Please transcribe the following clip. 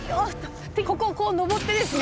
ここをこう上ってですね